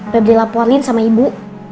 febri laporin sama ibu